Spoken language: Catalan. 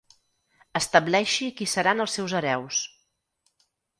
Estableixi qui seran els seus hereus.